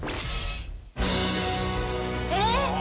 えっ！？